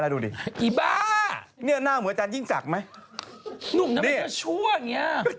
ดูดิอีบ้าหน้าเหมือนอาจารย์ยิ่งสักไหมนุ่มทำไมก็ชั่วอย่างนี้